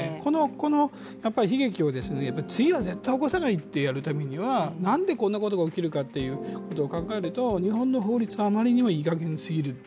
この悲劇を次は絶対起こさないとやるためにはなんでこんなことが起きるかということを考えると、日本の法律はあまりにもいい加減すぎる。